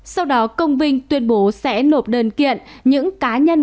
sau đó công vinh tuyên bố sẽ nộp đơn kiện những cá nhân